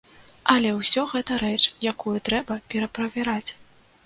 Але ўсё гэта рэч, якую трэба пераправяраць.